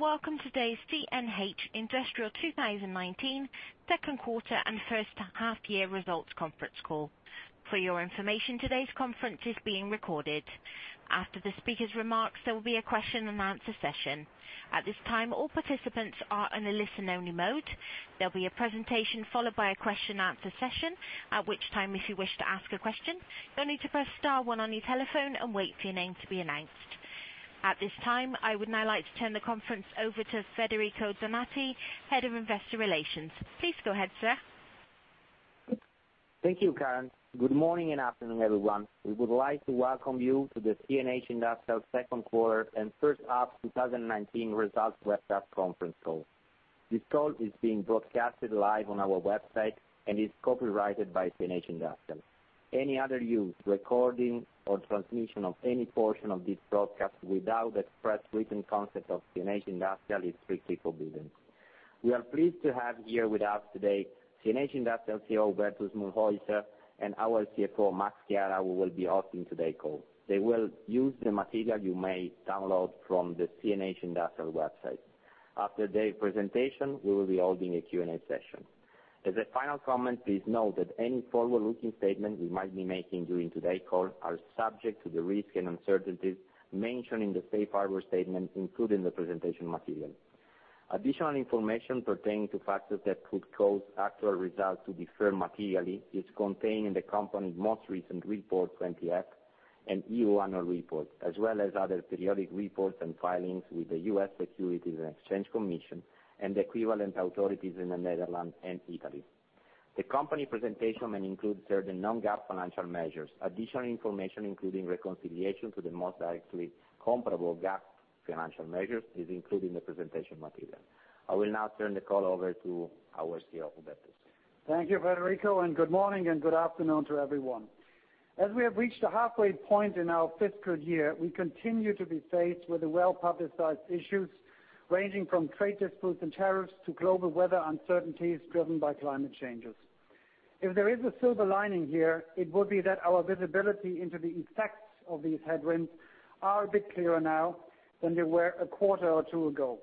Welcome today's CNH Industrial 2019 second quarter and first half year results conference call. For your information, today's conference is being recorded. After the speaker's remarks, there will be a question and answer session. At this time, all participants are in a listen-only mode. There'll be a presentation followed by a question and answer session, at which time, if you wish to ask a question, you'll need to press star 1 on your telephone and wait for your name to be announced. At this time, I would now like to turn the conference over to Federico Donati, Head of Investor Relations. Please go ahead, sir. Thank you, Karen. Good morning and afternoon, everyone. We would like to welcome you to the CNH Industrial second quarter and first half 2019 results webcast conference call. This call is being broadcasted live on our website and is copyrighted by CNH Industrial. Any other use, recording, or transmission of any portion of this broadcast without the expressed written consent of CNH Industrial is strictly forbidden. We are pleased to have here with us today, CNH Industrial CEO, Hubertus Mühlhäuser, and our CFO, Massimiliano Chiara, who will be hosting today's call. They will use the material you may download from the CNH Industrial website. After their presentation, we will be holding a Q&A session. As a final comment, please note that any forward-looking statements we might be making during today's call are subject to the risks and uncertainties mentioned in the safe harbor statement included in the presentation material. Additional information pertaining to factors that could cause actual results to differ materially is contained in the company's most recent Report 20F and EU Annual Report, as well as other periodic reports and filings with the U.S. Securities and Exchange Commission and the equivalent authorities in the Netherlands and Italy. The company presentation may include certain non-GAAP financial measures. Additional information, including reconciliation to the most directly comparable GAAP financial measures, is included in the presentation material. I will now turn the call over to our CEO, Hubertus. Thank you, Federico, and good morning and good afternoon to everyone. As we have reached the halfway point in our fiscal year, we continue to be faced with the well-publicized issues ranging from trade disputes and tariffs to global weather uncertainties driven by climate changes. If there is a silver lining here, it would be that our visibility into the effects of these headwinds are a bit clearer now than they were a quarter or two ago.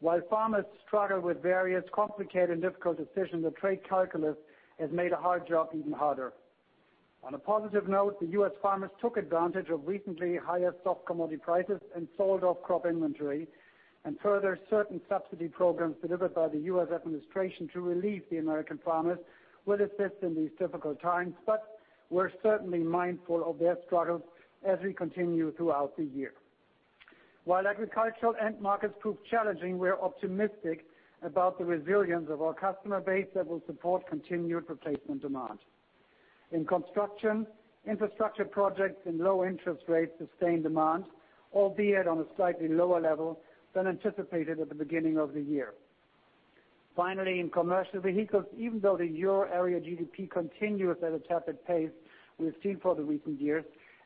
While farmers struggle with various complicated and difficult decisions, the trade calculus has made a hard job even harder. On a positive note, the U.S. farmers took advantage of recently higher soft commodity prices and sold off crop inventory, and further, certain subsidy programs delivered by the U.S. administration to relieve the American farmers will assist in these difficult times. We're certainly mindful of their struggles as we continue throughout the year. While agricultural end markets prove challenging, we're optimistic about the resilience of our customer base that will support continued replacement demand. In construction, infrastructure projects and low interest rates sustain demand, albeit on a slightly lower level than anticipated at the beginning of the year. Finally, in commercial vehicles, even though the Euro area GDP continues at a tepid pace we've seen for the recent years,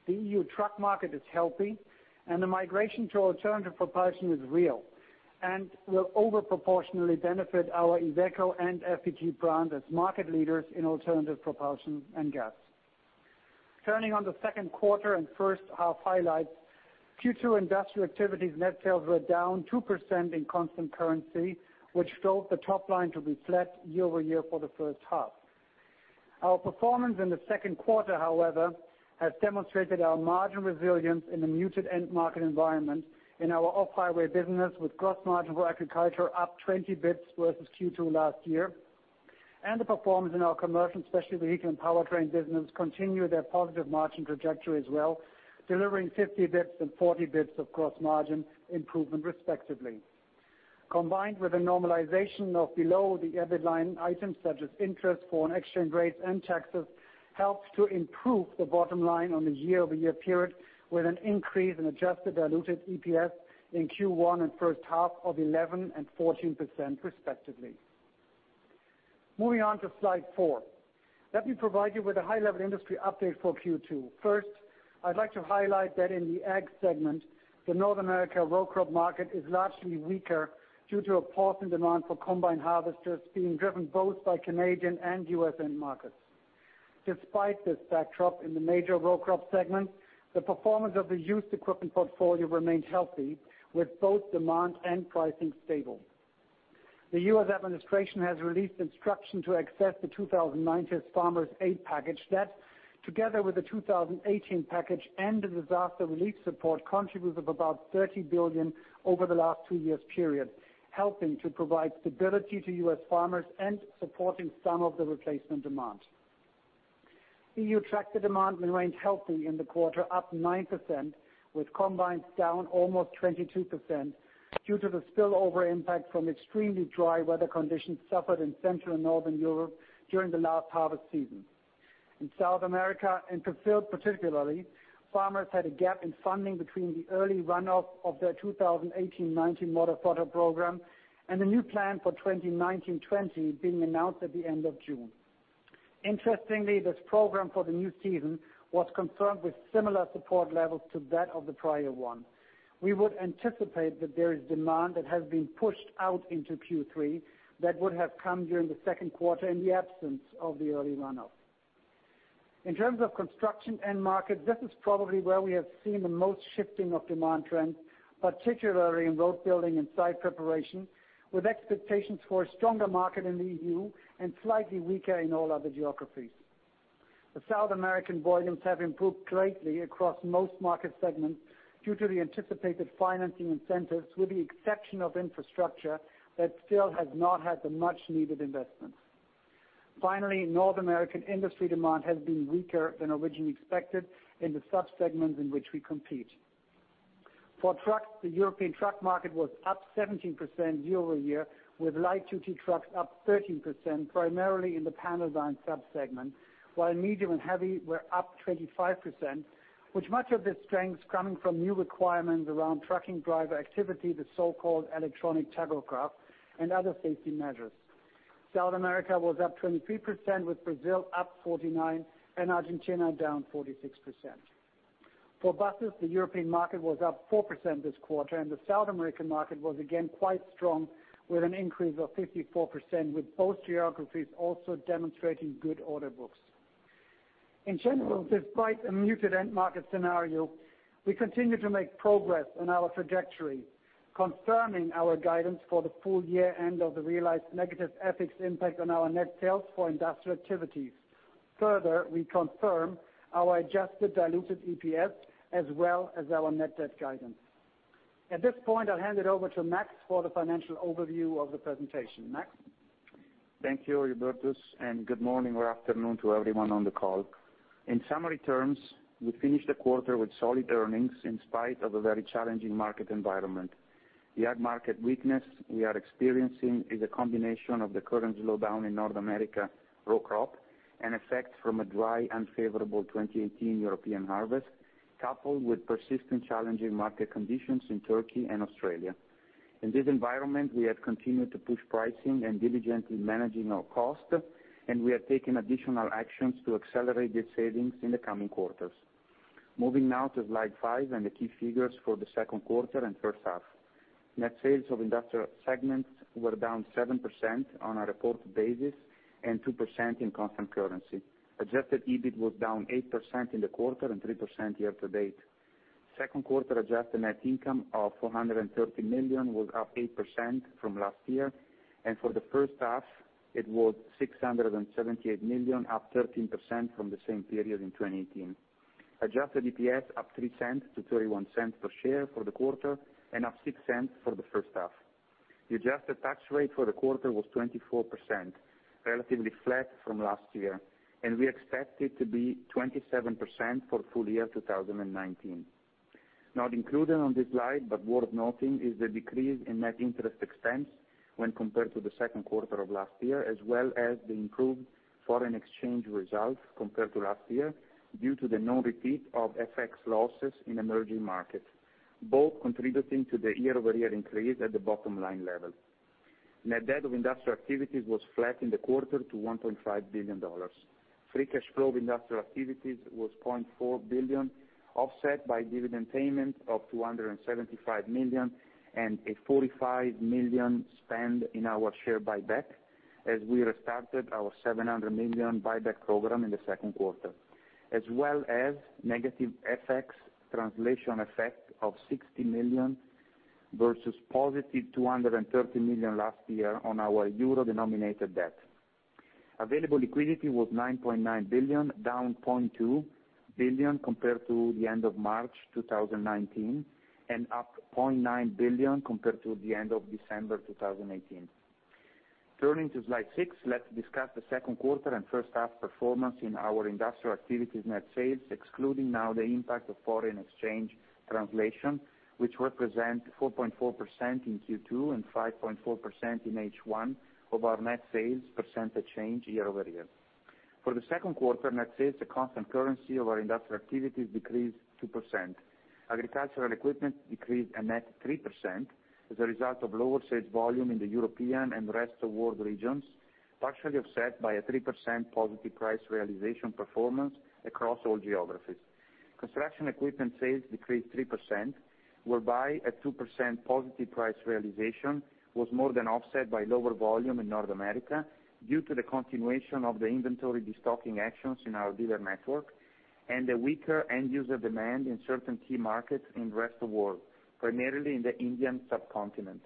the EU truck market is healthy, and the migration to alternative propulsion is real and will over-proportionally benefit our Iveco and FPT brands as market leaders in alternative propulsion and gas. Turning on to second quarter and first half highlights, Q2 Industrial activities net sales were down 2% in constant currency, which drove the top line to be flat year-over-year for the first half. Our performance in the second quarter, however, has demonstrated our margin resilience in the muted end market environment in our Off-Highway business, with gross margin for agriculture up 20 basis points versus Q2 last year. The performance in our commercial specialty vehicle and powertrain business continue their positive margin trajectory as well, delivering 50 basis points and 40 basis points of gross margin improvement, respectively. Combined with a normalization of below-the-EBIT line items such as interest, foreign exchange rates, and taxes, helps to improve the bottom line on a year-over-year period with an increase in adjusted diluted EPS in Q1 and first half of 11% and 14%, respectively. Moving on to slide four. Let me provide you with a high-level industry update for Q2. First, I'd like to highlight that in the Ag segment, the North America row crop market is largely weaker due to a pause in demand for combine harvesters being driven both by Canadian and U.S. end markets. Despite this backdrop in the major row crop segment, the performance of the used equipment portfolio remained healthy, with both demand and pricing stable. The U.S. administration has released instruction to access the 2019 farmers' aid package that, together with the 2018 package and the disaster relief support, contributed about $30 billion over the last 2 years period, helping to provide stability to U.S. farmers and supporting some of the replacement demand. EU tractor demand remained healthy in the quarter, up 9%, with combines down almost 22% due to the spillover impact from extremely dry weather conditions suffered in Central and Northern Europe during the last harvest season. In South America, in Brazil particularly, farmers had a gap in funding between the early runoff of their 2018/19 model support program and the new plan for 2019/20 being announced at the end of June. Interestingly, this program for the new season was confirmed with similar support levels to that of the prior one. We would anticipate that there is demand that has been pushed out into Q3 that would have come during the second quarter in the absence of the early runoff. In terms of construction end market, this is probably where we have seen the most shifting of demand trends, particularly in road building and site preparation, with expectations for a stronger market in the EU and slightly weaker in all other geographies. The South American volumes have improved greatly across most market segments due to the anticipated financing incentives, with the exception of infrastructure, that still has not had the much needed investment. North American industry demand has been weaker than originally expected in the sub-segments in which we compete. For trucks, the European truck market was up 17% year-over-year, with light-duty trucks up 13%, primarily in the panel van sub-segment, while medium and heavy were up 25%, which much of this strength is coming from new requirements around trucking driver activity, the so-called electronic tachograph, and other safety measures. South America was up 23%, with Brazil up 49% and Argentina down 46%. For buses, the European market was up 4% this quarter, and the South American market was again quite strong, with an increase of 54%, with both geographies also demonstrating good order books. In general, despite a muted end market scenario, we continue to make progress on our trajectory, confirming our guidance for the full year end of the realized negative FX impact on our net sales for industrial activities. Further, we confirm our adjusted diluted EPS as well as our net debt guidance. At this point, I'll hand it over to Max for the financial overview of the presentation. Max? Thank you, Hubertus, and good morning or afternoon to everyone on the call. In summary terms, we finished the quarter with solid earnings in spite of a very challenging market environment. The ag market weakness we are experiencing is a combination of the current slowdown in North America row crop and effects from a dry, unfavorable 2018 European harvest, coupled with persistent challenging market conditions in Turkey and Australia. In this environment, we have continued to push pricing and diligently managing our cost, and we are taking additional actions to accelerate these savings in the coming quarters. Moving now to slide five and the key figures for the second quarter and first half. Net sales of industrial segments were down 7% on a reported basis and 2% in constant currency. Adjusted EBIT was down 8% in the quarter and 3% year-to-date. Second quarter adjusted net income of 430 million was up 8% from last year, and for the first half, it was 678 million, up 13% from the same period in 2018. Adjusted EPS up 0.03 to 0.31 per share for the quarter and up 0.06 for the first half. The adjusted tax rate for the quarter was 24%, relatively flat from last year, and we expect it to be 27% for full year 2019. Not included on this slide, but worth noting, is the decrease in net interest expense when compared to the second quarter of last year, as well as the improved foreign exchange results compared to last year due to the no repeat of FX losses in emerging markets, both contributing to the year-over-year increase at the bottom line level. Net debt of industrial activities was flat in the quarter to EUR 1.5 billion. Free cash flow of industrial activities was $0.4 billion, offset by dividend payment of $275 million and a $45 million spend in our share buyback as we restarted our $700 million buyback program in the second quarter, as well as negative FX translation effect of $60 million versus positive $230 million last year on our euro-denominated debt. Available liquidity was $9.9 billion, down $0.2 billion compared to the end of March 2019, and up $0.9 billion compared to the end of December 2018. Turning to slide six, let's discuss the second quarter and first half performance in our industrial activities net sales, excluding now the impact of foreign exchange translation, which represent 4.4% in Q2 and 5.4% in H1 of our net sales percentage change year-over-year. For the second quarter, net sales, the constant currency of our industrial activities decreased 2%. Agricultural equipment decreased a net 3% as a result of lower sales volume in the European and rest of world regions, partially offset by a 3% positive price realization performance across all geographies. Construction equipment sales decreased 3%, whereby a 2% positive price realization was more than offset by lower volume in North America due to the continuation of the inventory de-stocking actions in our dealer network and a weaker end user demand in certain key markets in rest of world, primarily in the Indian subcontinent.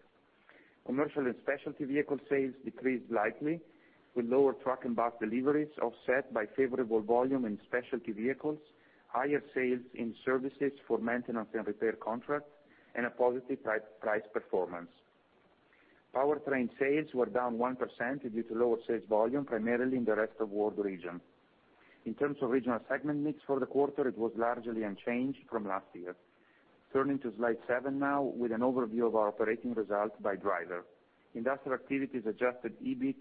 Commercial and specialty vehicle sales decreased likely with lower truck and bus deliveries offset by favorable volume in specialty vehicles, higher sales in services for maintenance and repair contracts, and a positive price performance. Powertrain sales were down 1% due to lower sales volume, primarily in the rest of world region. In terms of regional segment mix for the quarter, it was largely unchanged from last year. Turning to slide seven now with an overview of our operating results by driver. Industrial activities adjusted EBIT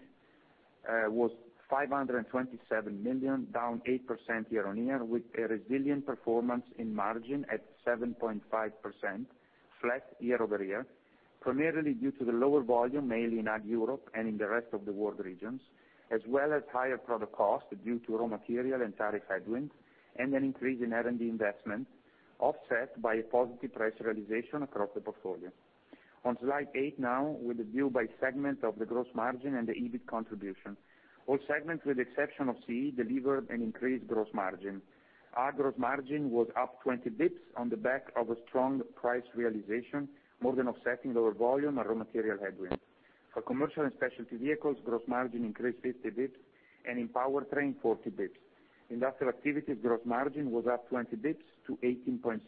was 527 million, down 8% year-on-year, with a resilient performance in margin at 7.5%, flat year-over-year, primarily due to the lower volume, mainly in Ag Europe and in the rest of the world regions, as well as higher product cost due to raw material and tariff headwinds and an increase in R&D investment, offset by a positive price realization across the portfolio. On slide eight now, with the view by segment of the gross margin and the EBIT contribution. All segments, with the exception of CE, delivered an increased gross margin. Ag gross margin was up 20 basis points on the back of a strong price realization, more than offsetting lower volume and raw material headwinds. For commercial and specialty vehicles, gross margin increased 50 basis points, and in powertrain, 40 basis points. Industrial activities gross margin was up 20 basis points to 18.6%.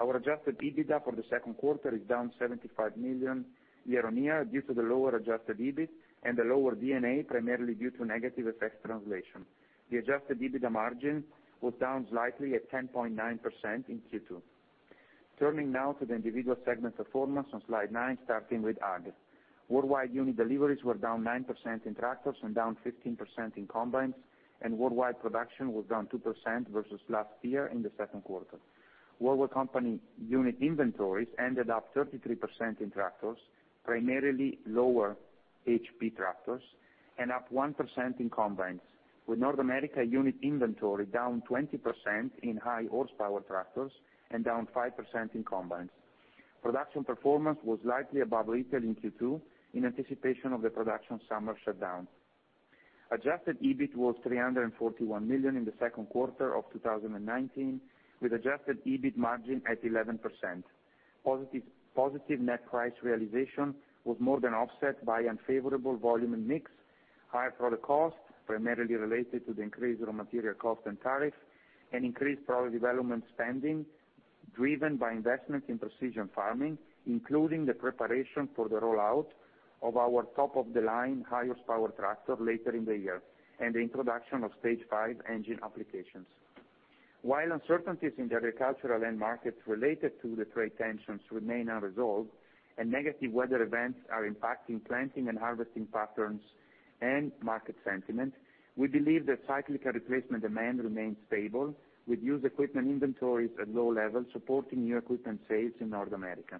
Our adjusted EBITDA for the second quarter is down 75 million year-on-year due to the lower adjusted EBIT and the lower D&A, primarily due to negative FX translation. The adjusted EBITDA margin was down slightly at 10.9% in Q2. Turning now to the individual segment performance on slide nine, starting with Ag. Worldwide unit deliveries were down 9% in tractors and down 15% in combines, and worldwide production was down 2% versus last year in the second quarter. Worldwide company unit inventories ended up 33% in tractors, primarily lower HP tractors, and up 1% in combines, with North America unit inventory down 20% in high horsepower tractors and down 5% in combines. Production performance was slightly above retail in Q2 in anticipation of the production summer shutdown. Adjusted EBIT was $341 million in the second quarter of 2019, with adjusted EBIT margin at 11%. Positive net price realization was more than offset by unfavorable volume and mix, higher product costs, primarily related to the increased raw material cost and tariff, and increased product development spending, driven by investment in precision farming, including the preparation for the rollout of our top-of-the-line highest power tractor later in the year, and the introduction of Stage 5 engine applications. While uncertainties in the agricultural end markets related to the trade tensions remain unresolved and negative weather events are impacting planting and harvesting patterns and market sentiment, we believe that cyclical replacement demand remains stable, with used equipment inventories at low levels supporting new equipment sales in North America.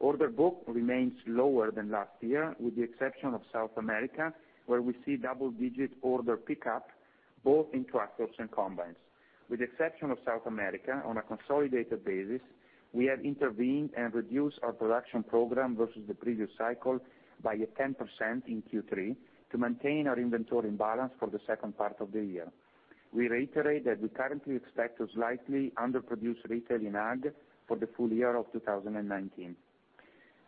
Order book remains lower than last year, with the exception of South America, where we see double-digit order pickup both in tractors and combines. With the exception of South America, on a consolidated basis, we have intervened and reduced our production program versus the previous cycle by 10% in Q3 to maintain our inventory in balance for the second part of the year. We reiterate that we currently expect to slightly underproduce retail in Ag for the full year of 2019.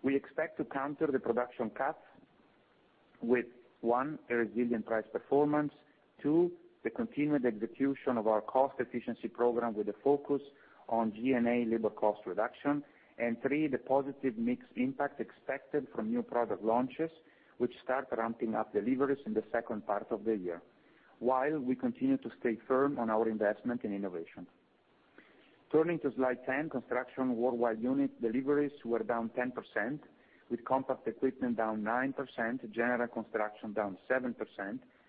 We expect to counter the production cut with, one, a resilient price performance, two, the continued execution of our cost efficiency program with a focus on G&A labor cost reduction, and three, the positive mix impact expected from new product launches, which start ramping up deliveries in the second part of the year. While we continue to stay firm on our investment in innovation. Turning to slide 10, construction worldwide unit deliveries were down 10%, with compact equipment down 9%, general construction down 7%,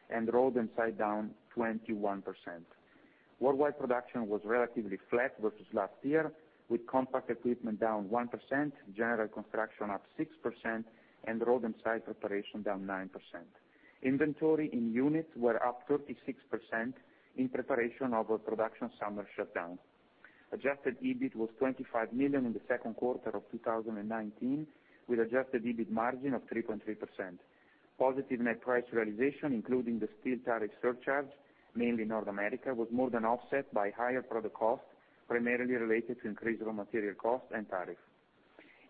and road and site down 21%. Worldwide production was relatively flat versus last year, with compact equipment down 1%, general construction up 6%, and road and site preparation down 9%. Inventory in units were up 36% in preparation of a production summer shutdown. Adjusted EBIT was 25 million in the second quarter of 2019, with adjusted EBIT margin of 3.3%. Positive net price realization, including the steel tariff surcharge, mainly in North America, was more than offset by higher product costs, primarily related to increased raw material costs and tariff.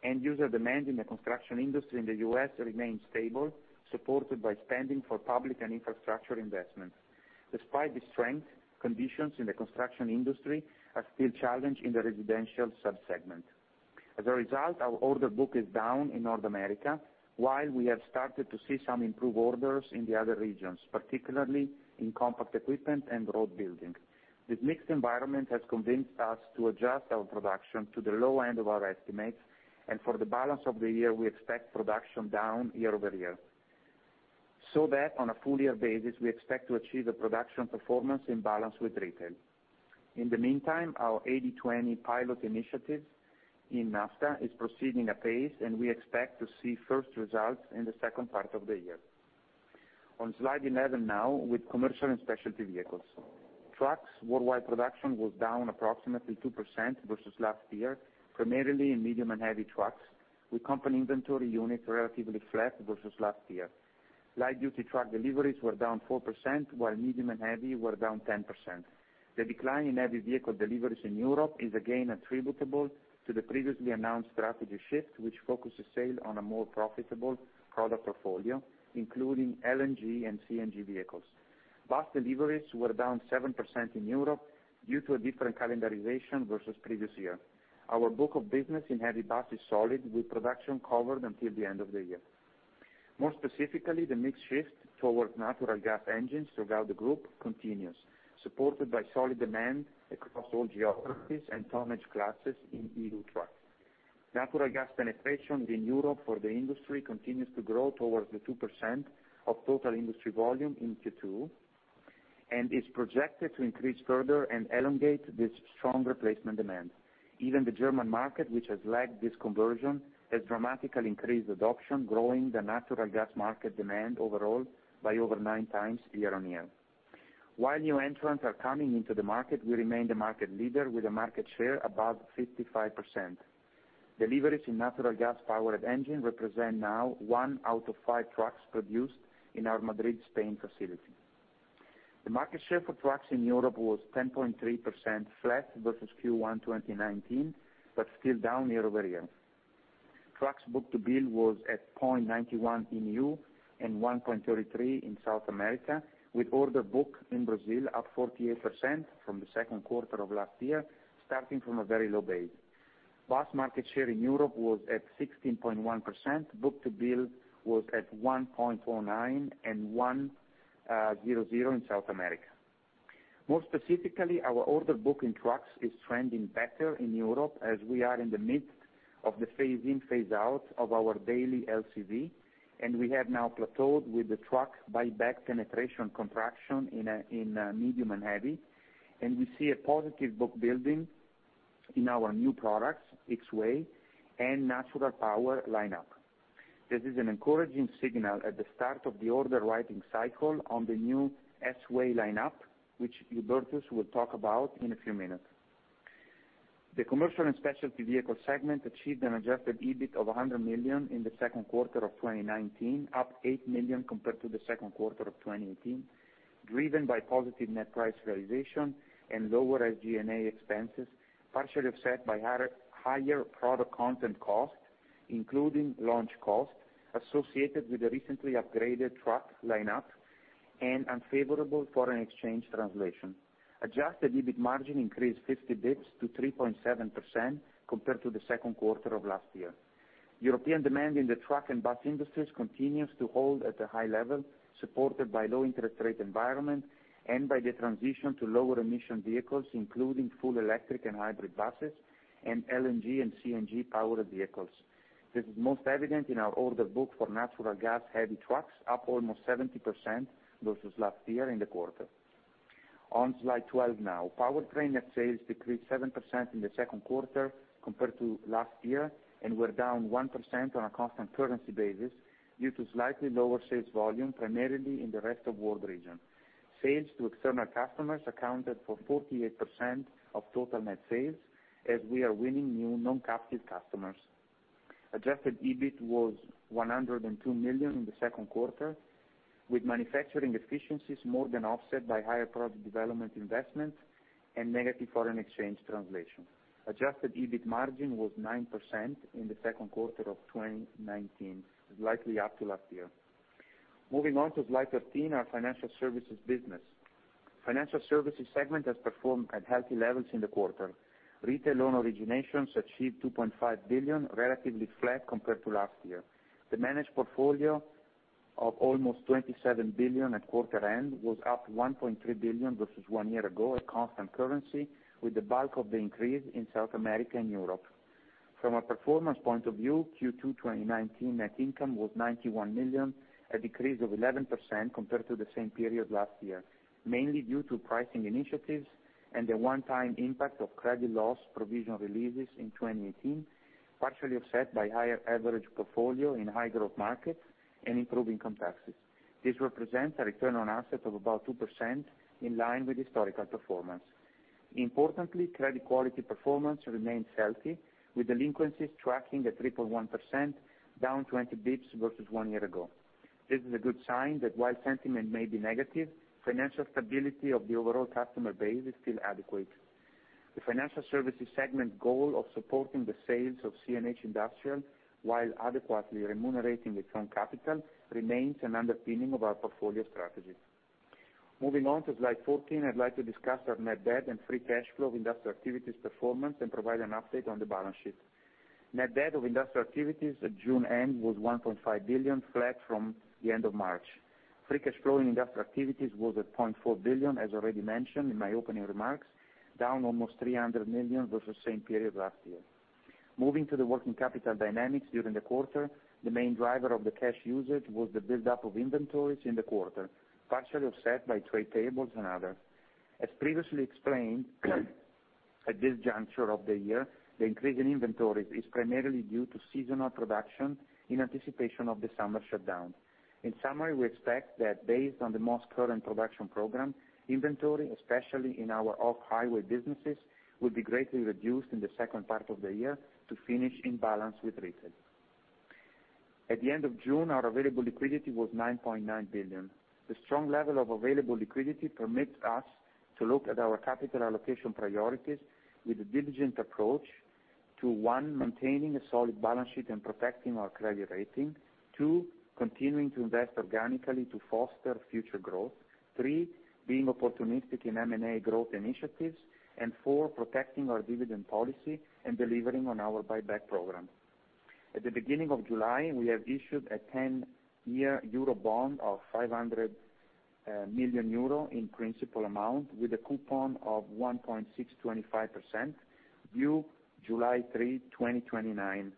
End user demand in the construction industry in the U.S. remains stable, supported by spending for public and infrastructure investment. Despite the strength, conditions in the construction industry are still challenged in the residential sub-segment. As a result, our order book is down in North America, while we have started to see some improved orders in the other regions, particularly in compact equipment and road building. This mixed environment has convinced us to adjust our production to the low end of our estimates, and for the balance of the year, we expect production down year-over-year. On a full year basis, we expect to achieve a production performance in balance with retail. In the meantime, our 80-20 pilot initiative in NAFTA is proceeding apace. We expect to see first results in the second part of the year. On slide 11 now, with commercial and specialty vehicles. Trucks worldwide production was down approximately 2% versus last year, primarily in medium and heavy trucks, with company inventory units relatively flat versus last year. Light-duty truck deliveries were down 4%, while medium and heavy were down 10%. The decline in heavy vehicle deliveries in Europe is again attributable to the previously announced strategy shift, which focuses sale on a more profitable product portfolio, including LNG and CNG vehicles. Bus deliveries were down 7% in Europe due to a different calendarization versus the previous year. Our book of business in heavy bus is solid, with production covered until the end of the year. More specifically, the mix shift towards natural gas engines throughout the group continues, supported by solid demand across all geographies and tonnage classes in EU truck. Natural gas penetration in Europe for the industry continues to grow towards the 2% of total industry volume in Q2 and is projected to increase further and elongate this strong replacement demand. Even the German market, which has lagged this conversion, has dramatically increased adoption, growing the natural gas market demand overall by over 9 times year-on-year. While new entrants are coming into the market, we remain the market leader with a market share above 55%. Deliveries in natural gas-powered engine represent now one out of five trucks produced in our Madrid, Spain facility. The market share for trucks in Europe was 10.3%, flat versus Q1 2019, but still down year-over-year. Trucks book-to-bill was at 0.91 in EU and 1.33 in South America, with order book in Brazil up 48% from the second quarter of last year, starting from a very low base. Bus market share in Europe was at 16.1%. Book-to-bill was at 1.49 and 1.00 in South America. More specifically, our order book in trucks is trending better in Europe as we are in the midst of the phase in, phase out of our Daily LCV, and we have now plateaued with the truck buyback penetration contraction in medium and heavy, and we see a positive book building in our new products, X-Way and Natural Power lineup. This is an encouraging signal at the start of the order writing cycle on the new S-Way lineup, which Hubertus will talk about in a few minutes. The commercial and specialty vehicle segment achieved an adjusted EBIT of 100 million in the second quarter of 2019, up 8 million compared to the second quarter of 2018, driven by positive net price realization and lower SG&A expenses, partially offset by higher product content cost, including launch cost, associated with the recently upgraded truck lineup and unfavorable foreign exchange translation. Adjusted EBIT margin increased 50 basis points to 3.7% compared to the second quarter of last year. European demand in the truck and bus industries continues to hold at a high level, supported by low interest rate environment and by the transition to lower emission vehicles, including full electric and hybrid buses and LNG and CNG-powered vehicles. This is most evident in our order book for natural gas heavy trucks, up almost 70% versus last year in the quarter. On slide 12 now. Powertrain net sales decreased 7% in the second quarter compared to last year, were down 1% on a constant currency basis due to slightly lower sales volume, primarily in the rest of world region. Sales to external customers accounted for 48% of total net sales as we are winning new non-captive customers. Adjusted EBIT was $102 million in the second quarter, with manufacturing efficiencies more than offset by higher product development investment and negative foreign exchange translation. Adjusted EBIT margin was 9% in the second quarter of 2019, slightly up to last year. Moving on to slide 13, our financial services business. Financial services segment has performed at healthy levels in the quarter. Retail loan originations achieved $2.5 billion, relatively flat compared to last year. The managed portfolio of almost 27 billion at quarter end was up 1.3 billion versus one year ago at constant currency, with the bulk of the increase in South America and Europe. From a performance point of view, Q2 2019 net income was 91 million, a decrease of 11% compared to the same period last year, mainly due to pricing initiatives and the one-time impact of credit loss provision releases in 2018, partially offset by higher average portfolio in high growth markets and improving complexities. This represents a return on asset of about 2%, in line with historical performance. Importantly, credit quality performance remains healthy, with delinquencies tracking at 3.1%, down 20 basis points versus one year ago. This is a good sign that while sentiment may be negative, financial stability of the overall customer base is still adequate. The financial services segment goal of supporting the sales of CNH Industrial while adequately remunerating its own capital remains an underpinning of our portfolio strategy. Moving on to slide 14, I'd like to discuss our net debt and free cash flow of industrial activities performance and provide an update on the balance sheet. Net debt of industrial activities at June end was 1.5 billion, flat from the end of March. Free cash flow in industrial activities was at 0.4 billion, as already mentioned in my opening remarks, down almost 300 million versus same period last year. Moving to the working capital dynamics during the quarter, the main driver of the cash usage was the build-up of inventories in the quarter, partially offset by trade payables and other. As previously explained, at this juncture of the year, the increase in inventories is primarily due to seasonal production in anticipation of the summer shutdown. In summary, we expect that based on the most current production program, inventory, especially in our off-highway businesses, will be greatly reduced in the second part of the year to finish in balance with retail. At the end of June, our available liquidity was $9.9 billion. The strong level of available liquidity permits us to look at our capital allocation priorities with a diligent approach to, one, maintaining a solid balance sheet and protecting our credit rating. Two, continuing to invest organically to foster future growth. Three, being opportunistic in M&A growth initiatives. Four, protecting our dividend policy and delivering on our buyback program. At the beginning of July, we have issued a 10-year euro bond of 500 million euro in principal amount with a coupon of 1.625%, due July 3, 2029.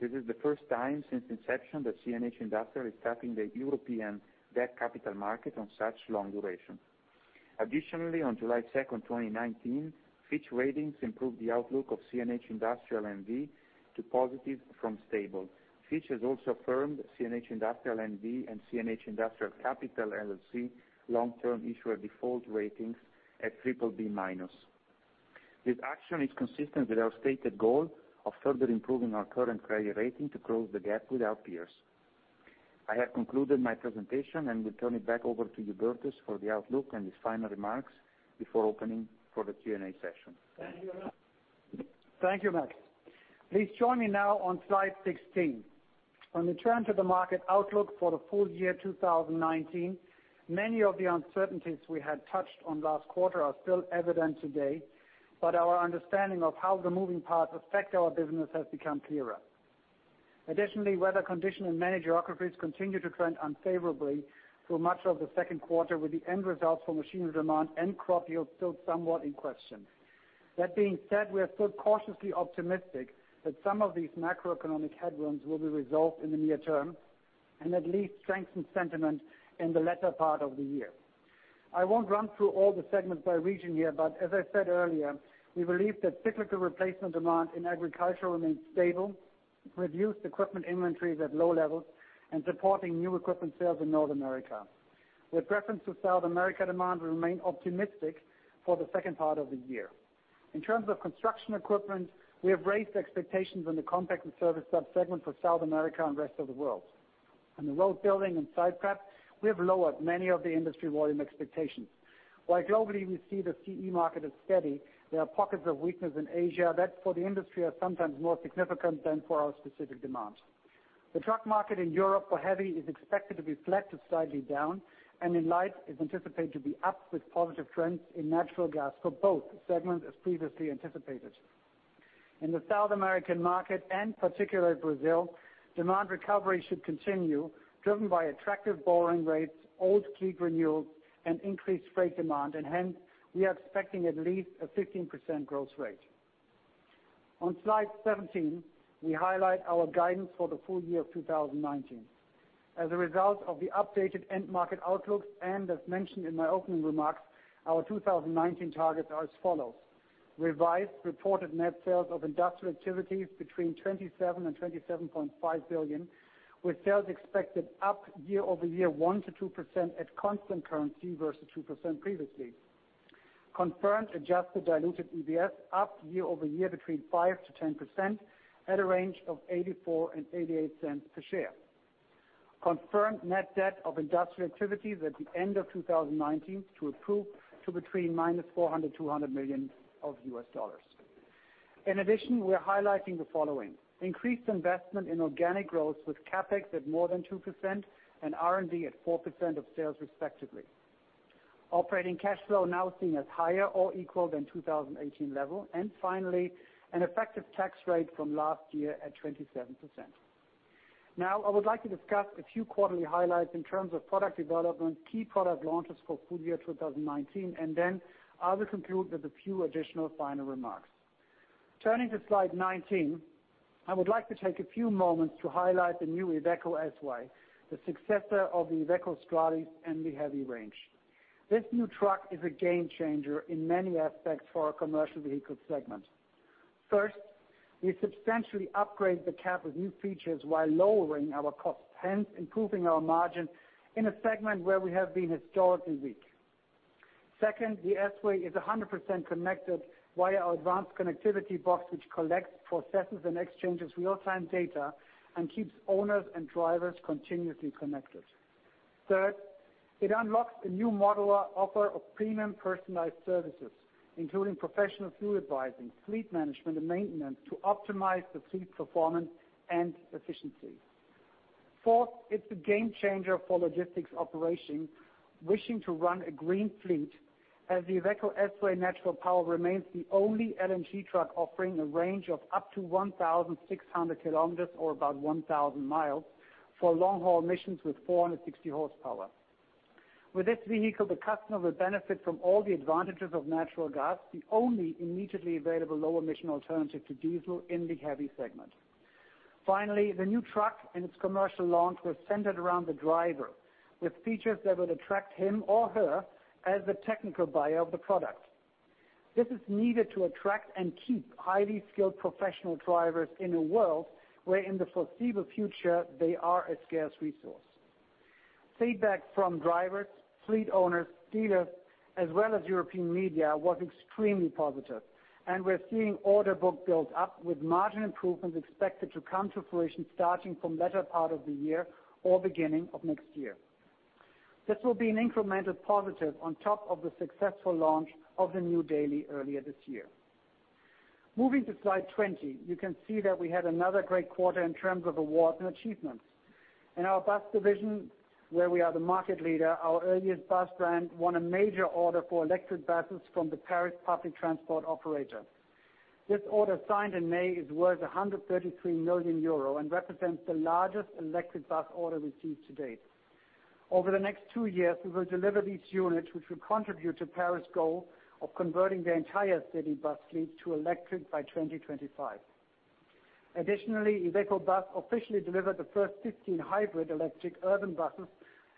This is the first time since inception that CNH Industrial is tapping the European debt capital market on such long duration. Additionally, on July 2nd, 2019, Fitch Ratings improved the outlook of CNH Industrial N.V. to positive from stable. Fitch has also affirmed CNH Industrial N.V. and CNH Industrial Capital LLC long-term issuer default ratings at BBB-. This action is consistent with our stated goal of further improving our current credit rating to close the gap with our peers. I have concluded my presentation and will turn it back over to Hubertus for the outlook and his final remarks before opening for the Q&A session. Thank you, Max. Please join me now on slide 16. On the trend to the market outlook for the full year 2019, many of the uncertainties we had touched on last quarter are still evident today, but our understanding of how the moving parts affect our business has become clearer. Additionally, weather condition in many geographies continue to trend unfavorably through much of the second quarter, with the end results for machinery demand and crop yield still somewhat in question. That being said, we are still cautiously optimistic that some of these macroeconomic headwinds will be resolved in the near term and at least strengthen sentiment in the latter part of the year. I won't run through all the segments by region here, but as I said earlier, we believe that cyclical replacement demand in agriculture remains stable, reduced equipment inventories at low levels, and supporting new equipment sales in North America. With reference to South America demand, we remain optimistic for the second part of the year. In terms of construction equipment, we have raised expectations in the compact service sub-segment for South America and rest of the world. In the road building and site prep, we have lowered many of the industry volume expectations. While globally we see the CE market is steady, there are pockets of weakness in Asia that for the industry are sometimes more significant than for our specific demands. The truck market in Europe for heavy is expected to be flat to slightly down, and in light, is anticipated to be up with positive trends in natural gas for both segments, as previously anticipated. In the South American market, and particularly Brazil, demand recovery should continue, driven by attractive borrowing rates, old fleet renewals, and increased freight demand. Hence, we are expecting at least a 15% growth rate. On slide 17, we highlight our guidance for the full year of 2019. As a result of the updated end market outlooks and as mentioned in my opening remarks, our 2019 targets are as follows: revised reported net sales of Industrial activities between $27 billion and $27.5 billion, with sales expected up year-over-year 1%-2% at constant currency versus 2% previously. Confirmed adjusted diluted EPS up year-over-year between 5%-10% at a range of $0.84 and $0.88 per share. Confirmed net debt of Industrial activities at the end of 2019 to improve to between -$400 million to $100 million. In addition, we are highlighting the following: increased investment in organic growth with CapEx at more than 2% and R&D at 4% of sales, respectively. Operating cash flow now seen as higher or equal than 2018 level. Finally, an effective tax rate from last year at 27%. I would like to discuss a few quarterly highlights in terms of product development, key product launches for full year 2019, and then I will conclude with a few additional final remarks. Turning to slide 19, I would like to take a few moments to highlight the new Iveco S-Way, the successor of the Iveco Stralis and the heavy range. This new truck is a game changer in many aspects for our commercial vehicle segment. First, we substantially upgrade the cab with new features while lowering our cost, hence improving our margin in a segment where we have been historically weak. Second, the S-Way is 100% connected via our advanced connectivity box, which collects, processes, and exchanges real-time data and keeps owners and drivers continuously connected. Third, it unlocks a new model offer of premium personalized services, including professional fleet advising, fleet management, and maintenance to optimize the fleet performance and efficiency. Fourth, it's a game changer for logistics operation wishing to run a green fleet as the Iveco S-Way Natural Power remains the only LNG truck offering a range of up to 1,600 km or about 1,000 mi for long-haul emissions with 460 horsepower. With this vehicle, the customer will benefit from all the advantages of natural gas, the only immediately available low-emission alternative to diesel in the heavy segment. Finally, the new truck and its commercial launch was centered around the driver with features that would attract him or her as the technical buyer of the product. This is needed to attract and keep highly skilled professional drivers in a world where in the foreseeable future, they are a scarce resource. Feedback from drivers, fleet owners, dealers, as well as European media was extremely positive, and we're seeing order book build up with margin improvements expected to come to fruition starting from latter part of the year or beginning of next year. This will be an incremental positive on top of the successful launch of the new Daily earlier this year. Moving to slide 20, you can see that we had another great quarter in terms of awards and achievements. In our bus division, where we are the market leader, our Heuliez Bus brand won a major order for electric buses from the RATP Group. This order, signed in May, is worth 133 million euro, and represents the largest electric bus order received to date. Over the next two years, we will deliver these units, which will contribute to Paris goal of converting their entire city bus fleet to electric by 2025. Additionally, Iveco Bus officially delivered the first 15 hybrid electric urban buses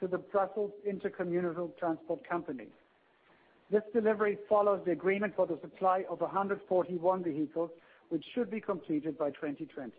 to the Brussels Intercommunal Transport Company. This delivery follows the agreement for the supply of 141 vehicles, which should be completed by 2020.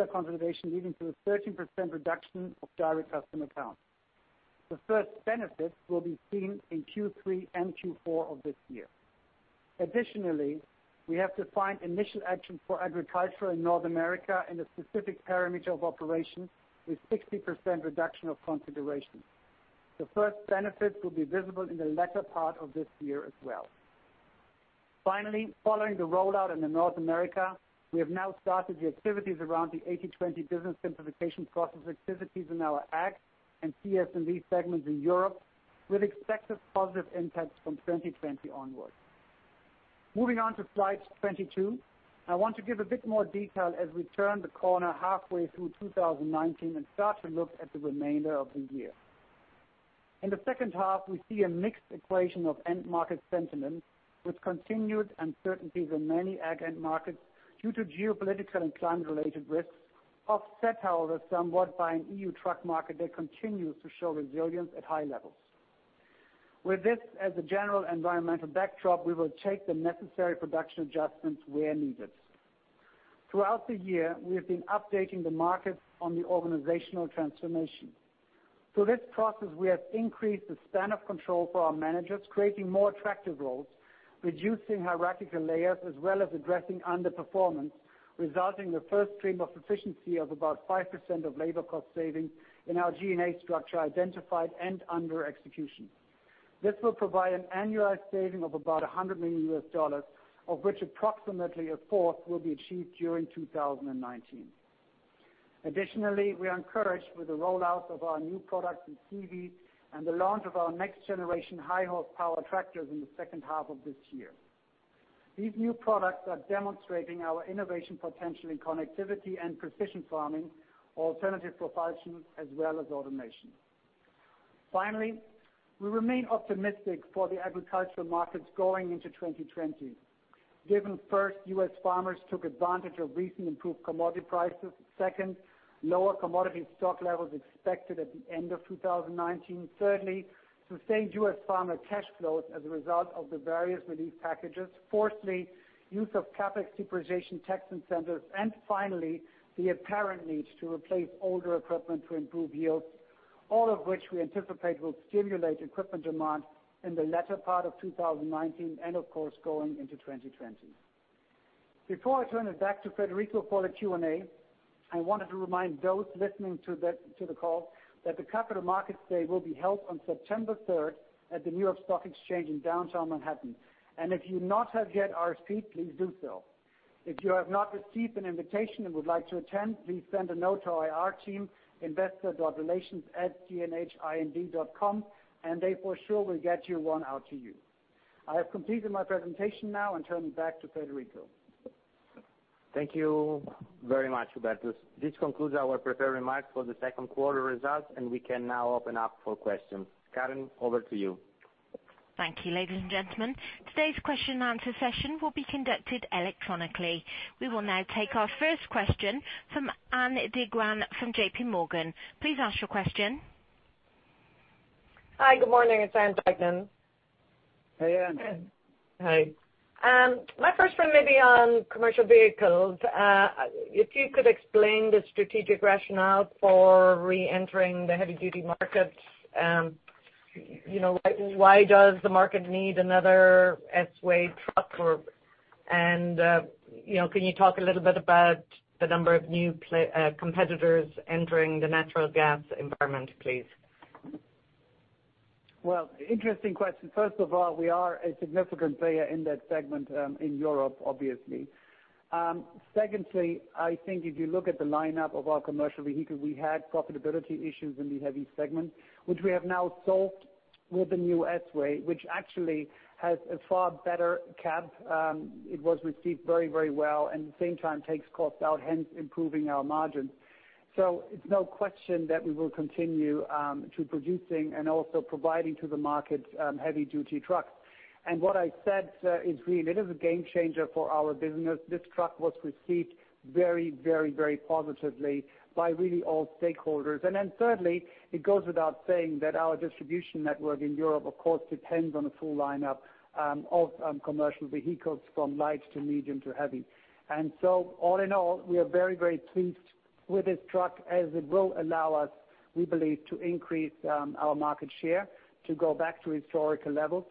In terms of conservation, leading to a 13% reduction of direct customer count. The first benefit will be seen in Q3 and Q4 of this year. Additionally, we have defined initial action for agriculture in North America in a specific parameter of operation with 60% reduction of configuration. The first benefit will be visible in the latter part of this year as well. Finally, following the rollout in North America, we have now started the activities around the 80/20 business simplification process activities in our Ag and CS&V segments in Europe, with expected positive impacts from 2020 onwards. Moving on to slide 22. I want to give a bit more detail as we turn the corner halfway through 2019 and start to look at the remainder of the year. In the second half, we see a mixed equation of end market sentiment, with continued uncertainties in many ag end markets due to geopolitical and climate-related risks, offset however, somewhat by an EU truck market that continues to show resilience at high levels. With this as a general environmental backdrop, we will take the necessary production adjustments where needed. Throughout the year, we have been updating the markets on the organizational transformation. Through this process, we have increased the span of control for our managers, creating more attractive roles, reducing hierarchical layers as well as addressing underperformance, resulting in the first stream of efficiency of about 5% of labor cost saving in our G&A structure identified and under execution. This will provide an annualized saving of about $100 million, of which approximately a fourth will be achieved during 2019. Additionally, we are encouraged with the rollout of our new products in CV and the launch of our next-generation high-horsepower tractors in the second half of this year. These new products are demonstrating our innovation potential in connectivity and precision farming, alternative propulsion, as well as automation. Finally, we remain optimistic for the agricultural markets going into 2020. Given first, U.S. farmers took advantage of recent improved commodity prices. Second, lower commodity stock levels expected at the end of 2019. Thirdly, sustained U.S. farmer cash flows as a result of the various relief packages. Fourthly, use of CapEx depreciation tax incentives, finally, the apparent need to replace older equipment to improve yields, all of which we anticipate will stimulate equipment demand in the latter part of 2019 and of course, going into 2020. Before I turn it back to Federico for the Q&A, I wanted to remind those listening to the call that the Capital Markets Day will be held on September 3rd at the New York Stock Exchange in downtown Manhattan. If you not have yet RSVP'd, please do so. If you have not received an invitation and would like to attend, please send a note to our IR team, investor.relations@cnh.com, they for sure will get one out to you. I have completed my presentation now turn it back to Federico. Thank you very much, Hubertus. This concludes our prepared remarks for the second quarter results, and we can now open up for questions. Karen, over to you. Thank you, ladies and gentlemen. Today's question and answer session will be conducted electronically. We will now take our first question from Ann Duignan from J.P. Morgan. Please ask your question. Hi. Good morning. It's Ann Duignan. Hey, Ann. Hi. My first one may be on commercial vehicles. If you could explain the strategic rationale for re-entering the heavy-duty market. Why does the market need another S-Way truck? Can you talk a little bit about the number of new competitors entering the natural gas environment, please? Well, interesting question. First of all, we are a significant player in that segment in Europe, obviously. Secondly, I think if you look at the lineup of our commercial vehicles, we had profitability issues in the heavy segment, which we have now solved with the new S-Way, which actually has a far better cab. It was received very well, and at the same time takes costs out, hence improving our margin. It's no question that we will continue to producing and also providing to the market heavy-duty trucks. What I said, is really, it is a game changer for our business. This truck was received very positively by really all stakeholders. Thirdly, it goes without saying that our distribution network in Europe, of course, depends on a full lineup of commercial vehicles from light to medium to heavy. All in all, we are very pleased with this truck as it will allow us, we believe, to increase our market share to go back to historical levels.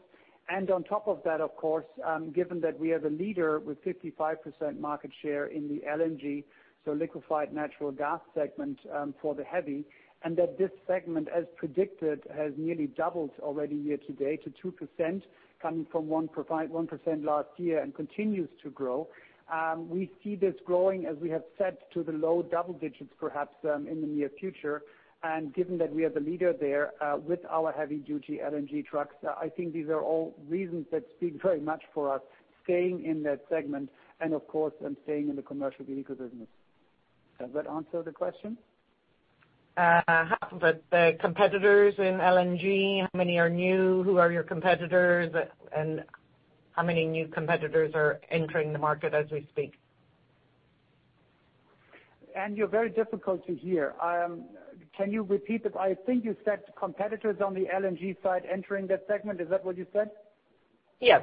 On top of that, of course, given that we are the leader with 55% market share in the LNG, so liquefied natural gas segment, for the heavy, and that this segment, as predicted, has nearly doubled already year to date to 2% coming from 1% last year and continues to grow. We see this growing, as we have said, to the low double digits perhaps in the near future. Given that we are the leader there, with our heavy duty LNG trucks, I think these are all reasons that speak very much for us staying in that segment and of course, and staying in the commercial vehicle business. Does that answer the question? How about the competitors in LNG? How many are new? Who are your competitors? How many new competitors are entering the market as we speak? Ann, you're very difficult to hear. Can you repeat it? I think you said competitors on the LNG side entering that segment. Is that what you said? Yes.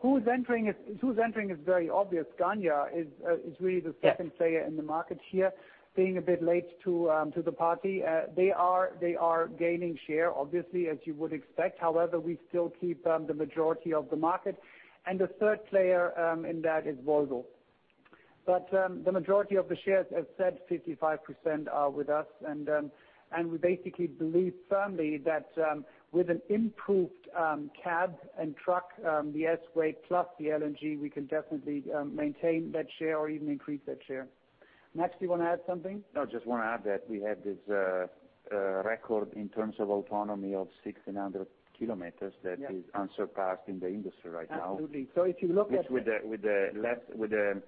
Who's entering is very obvious. Scania is really the second player in the market here, being a bit late to the party. They are gaining share, obviously, as you would expect. However, we still keep the majority of the market. The third player in that is Volvo. The majority of the shares, as said, 55% are with us. We basically believe firmly that, with an improved cab and truck, the S-Way plus the LNG, we can definitely maintain that share or even increase that share. Max, do you want to add something? No, just want to add that we have this record in terms of autonomy of 1,600 kilometers that is unsurpassed in the industry right now. Absolutely. Which with the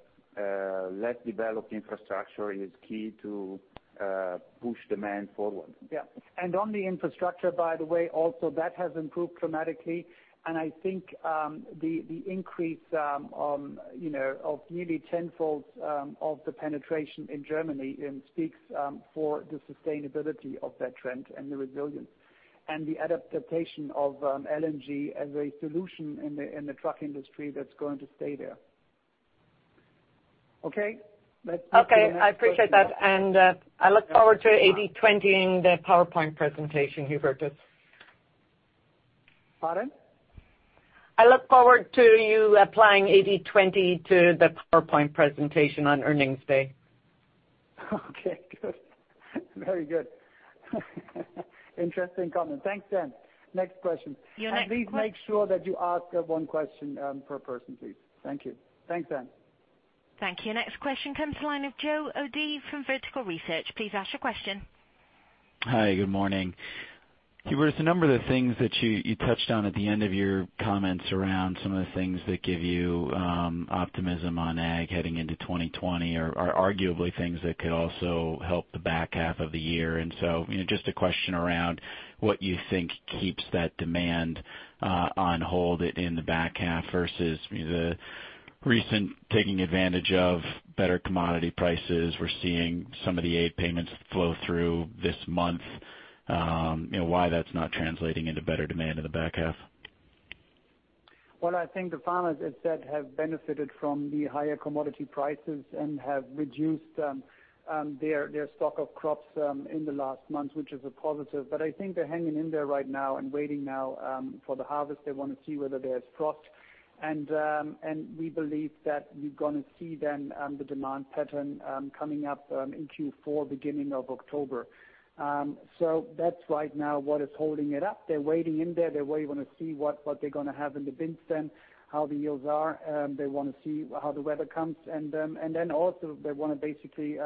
less developed infrastructure is key to push demand forward. Yeah. On the infrastructure, by the way, also that has improved dramatically. I think the increase of nearly tenfold of the penetration in Germany, it speaks for the sustainability of that trend and the resilience and the adaptation of LNG as a solution in the truck industry that's going to stay there. Okay. Let's take the next question. Okay. I appreciate that. I look forward to 80/20-ing the PowerPoint presentation, Hubertus. Pardon? I look forward to you applying 80/20 to the PowerPoint presentation on earnings day. Okay, good. Very good. Interesting comment. Thanks, Ann. Next question. Your next que- Please make sure that you ask one question per person, please. Thank you. Thanks, Ann. Thank you. Next question comes to the line of Joe O'Dea from Vertical Research. Please ask your question. Hi, good morning. Hubertus, there's a number of the things that you touched on at the end of your comments around some of the things that give you optimism on Ag heading into 2020 are arguably things that could also help the back half of the year. Just a question around what you think keeps that demand on hold in the back half versus the recent taking advantage of better commodity prices. We're seeing some of the aid payments flow through this month. Why that's not translating into better demand in the back half? Well, I think the farmers, as said, have benefited from the higher commodity prices and have reduced their stock of crops in the last month, which is a positive. I think they're hanging in there right now and waiting now for the harvest. They want to see whether there's frost. We believe that we're going to see then the demand pattern coming up in Q4, beginning of October. That's right now what is holding it up. They're waiting in there. They really want to see what they're going to have in the bins then, how the yields are. They want to see how the weather comes. Then also they want to basically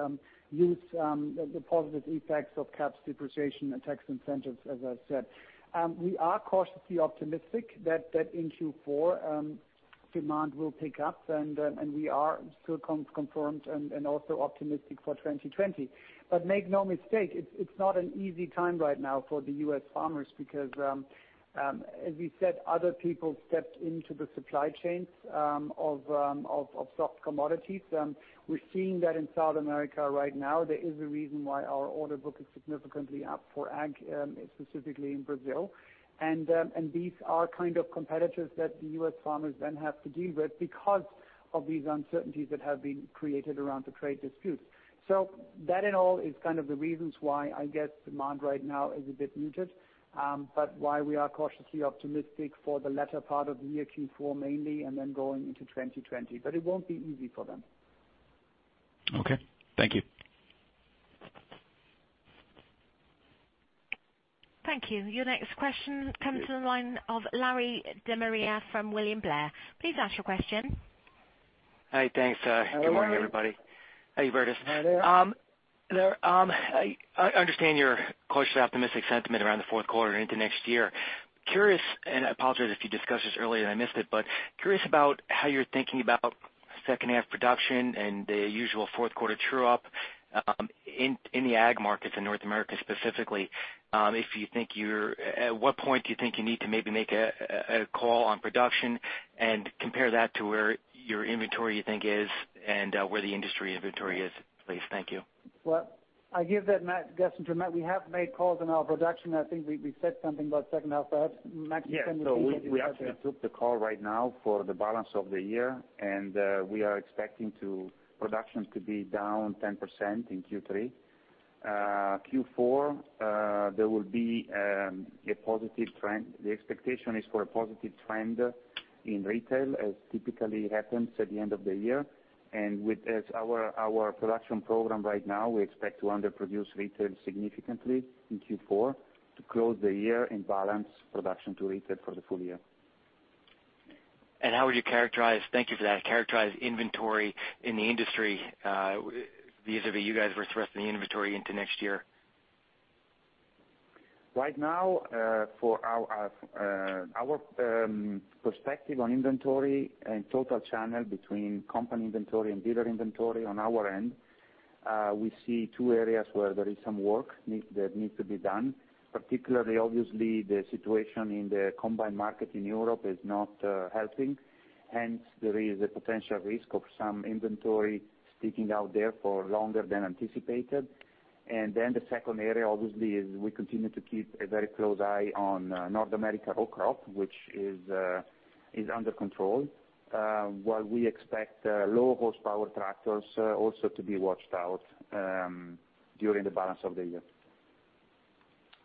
use the positive effects of CapEx depreciation and tax incentives, as I said. We are cautiously optimistic that in Q4 demand will pick up and we are still confirmed and also optimistic for 2020. Make no mistake, it's not an easy time right now for the U.S. farmers because as we said, other people stepped into the supply chains of soft commodities. We're seeing that in South America right now. There is a reason why our order book is significantly up for ag, specifically in Brazil. These are kind of competitors that the U.S. farmers then have to deal with because of these uncertainties that have been created around the trade dispute. That in all is kind of the reasons why I guess demand right now is a bit muted. Why we are cautiously optimistic for the latter part of the year, Q4 mainly, and then going into 2020. It won't be easy for them. Okay. Thank you. Thank you. Your next question comes to the line of Larry DeMaria from William Blair. Please ask your question. Hi. Thanks. Hello, Larry. Good morning, everybody. Hi, Hubertus. Hi there. I understand your cautiously optimistic sentiment around the fourth quarter into next year. Curious, and I apologize if you discussed this earlier and I missed it, but curious about how you're thinking about second half production and the usual fourth quarter true-up, in the ag markets in North America specifically, at what point do you think you need to maybe make a call on production and compare that to where your inventory you think is, and where the industry inventory is, please? Thank you. Well, I give that, Max, guess, we have made calls on our production. I think we said something about second half. Max, can you speak on this subject? Yes. We actually took the call right now for the balance of the year. We are expecting production to be down 10% in Q3. Q4, there will be a positive trend. The expectation is for a positive trend in retail, as typically happens at the end of the year. With our production program right now, we expect to underproduce retail significantly in Q4 to close the year and balance production to retail for the full year. How would you characterize, thank you for that, characterize inventory in the industry, vis-a-vis you guys were thrusting the inventory into next year? Right now, for our perspective on inventory and total channel between company inventory and dealer inventory on our end, we see two areas where there is some work that needs to be done. Particularly, obviously, the situation in the combine market in Europe is not helping, hence, there is a potential risk of some inventory sticking out there for longer than anticipated. The second area, obviously, is we continue to keep a very close eye on North America row crop, which is under control, while we expect low-horsepower tractors also to be watched out during the balance of the year.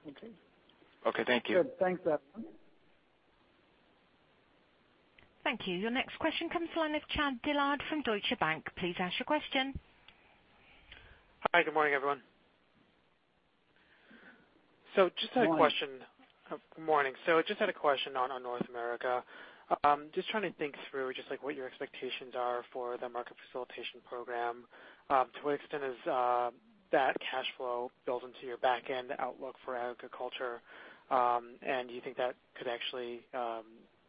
Okay. Okay. Thank you. Good. Thanks, everyone. Thank you. Your next question comes from the line of Chad Dillard from Deutsche Bank. Please ask your question. Hi. Good morning, everyone. Morning. Good morning. Just had a question on North America. Just trying to think through just like what your expectations are for the Market Facilitation Program. To what extent has that cash flow built into your back end outlook for agriculture? Do you think that could actually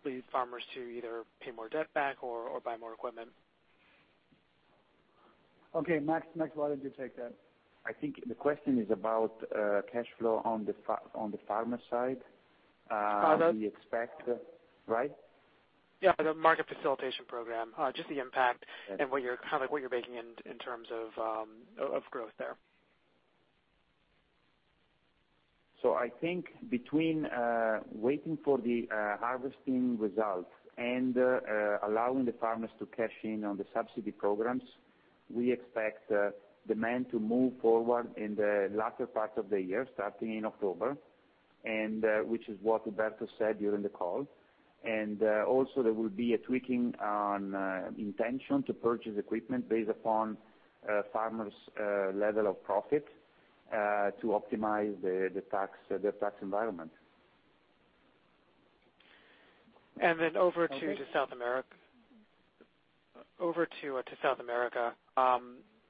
lead farmers to either pay more debt back or buy more equipment? Okay. Max, why don't you take that? I think the question is about cash flow on the farmer side. On that. We expect Right? The Market Facilitation Program, just the impact and kind of like what you're baking in terms of growth there? I think between waiting for the harvesting results and allowing the farmers to cash in on the subsidy programs, we expect demand to move forward in the latter part of the year, starting in October, and which is what Hubertus said during the call. Also, there will be a tweaking on intention to purchase equipment based upon farmers' level of profit, to optimize their tax environment. Over to South America.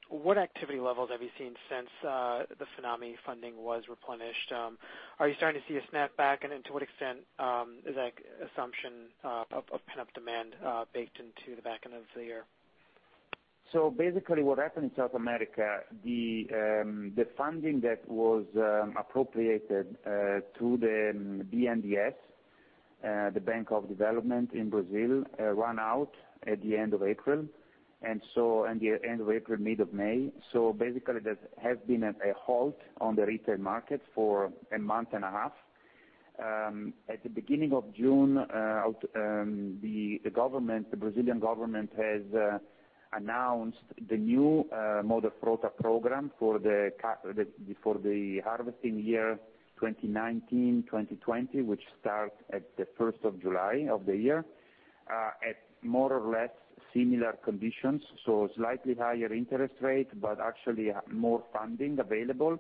What activity levels have you seen since the Finame funding was replenished? Are you starting to see a snapback? To what extent is that assumption of pent-up demand baked into the back end of the year? Basically what happened in South America, the funding that was appropriated to the BNDES, the Bank of Development in Brazil, ran out at the end of April, mid of May. Basically, there has been a halt on the retail market for a month and a half. At the beginning of June, the Brazilian government has announced the new Moderfrota program for the harvesting year 2019-2020, which starts at the 1st of July of the year, at more or less similar conditions. Slightly higher interest rate, but actually more funding available.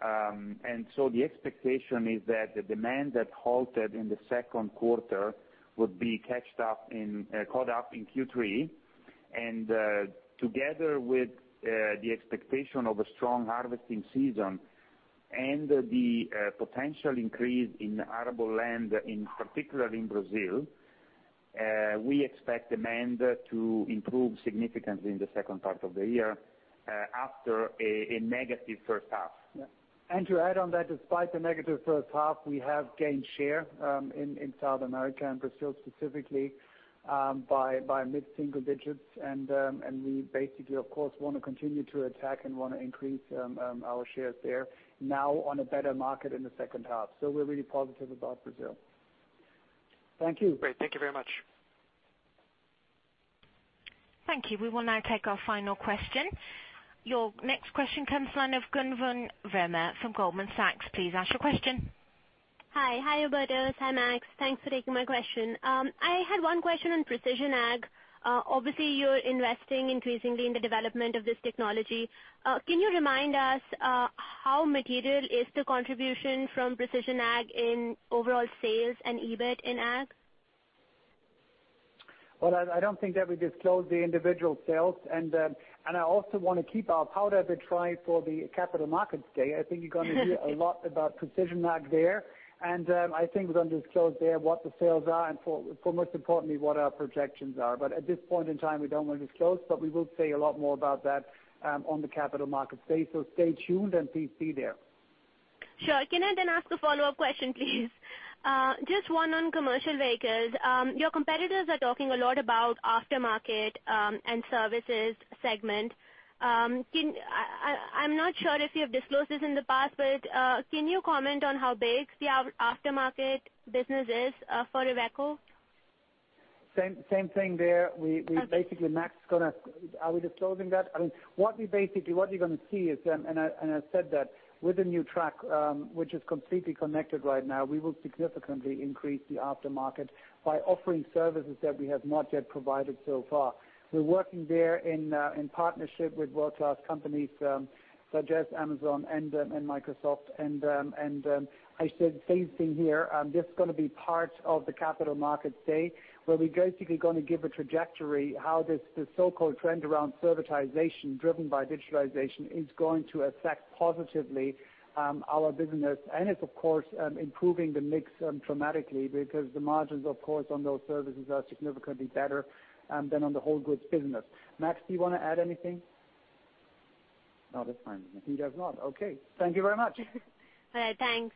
The expectation is that the demand that halted in the second quarter would be caught up in Q3. Together with the expectation of a strong harvesting season and the potential increase in arable land in particular in Brazil, we expect demand to improve significantly in the second part of the year, after a negative first half. Yeah. To add on that, despite the negative first half, we have gained share in South America and Brazil specifically, by mid-single digits. We basically, of course, want to continue to attack and want to increase our shares there now on a better market in the second half. We're really positive about Brazil. Thank you. Great. Thank you very much. Thank you. We will now take our final question. Your next question comes from the line of Gautam Rema from Goldman Sachs. Please ask your question. Hi, Hubertus. Hi, Max. Thanks for taking my question. I had one question on Precision Ag. Obviously, you're investing increasingly in the development of this technology. Can you remind us how material is the contribution from Precision Ag in overall sales and EBIT in Ag? Well, I don't think that we disclose the individual sales. I also want to keep our powder dry for the Capital Markets Day. I think you're going to hear a lot about Precision Ag there, and I think we're going to disclose there what the sales are and most importantly, what our projections are. At this point in time, we don't want to disclose, but we will say a lot more about that, on the Capital Markets Day. Stay tuned and please be there. Sure. Can I then ask a follow-up question, please? Just one on commercial vehicles. Your competitors are talking a lot about aftermarket and services segment. I'm not sure if you have disclosed this in the past, but, can you comment on how big the aftermarket business is for Iveco? Same thing there. Okay. We basically, Max Chiara is going to Are we disclosing that? I mean, what you're going to see is, I said that with the new truck, which is completely connected right now, we will significantly increase the aftermarket by offering services that we have not yet provided so far. We're working there in partnership with world-class companies such as Amazon and Microsoft. I said the same thing here. This is going to be part of the Capital Markets Day, where we're basically going to give a trajectory, how this so-called trend around servitization, driven by digitalization, is going to affect positively our business. It's, of course, improving the mix dramatically because the margins, of course, on those services are significantly better than on the whole goods business. Max Chiara, do you want to add anything? No, that's fine. He does not. Okay. Thank you very much. Thanks.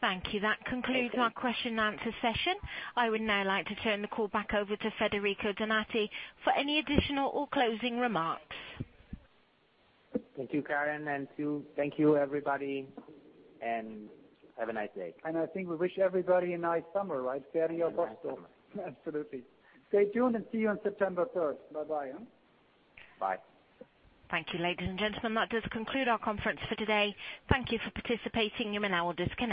Thank you. That concludes our question and answer session. I would now like to turn the call back over to Federico Donati for any additional or closing remarks. Thank you, Karen, and thank you, everybody, and have a nice day. I think we wish everybody a nice summer, right, Federico? Have a nice summer. Absolutely. Stay tuned. See you on September 3rd. Bye-bye. Bye. Thank you, ladies and gentlemen. That does conclude our conference for today. Thank you for participating. You may now disconnect.